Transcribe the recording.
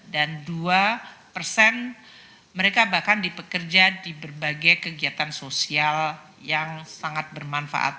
dan dua persen mereka bahkan dipekerja di berbagai kegiatan sosial yang sangat bermanfaat